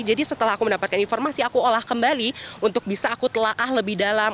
jadi setelah aku mendapatkan informasi aku olah kembali untuk bisa aku telah lebih dalam